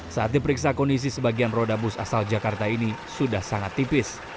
saat diperiksa kondisi sebagian roda bus asal jakarta ini sudah sangat tipis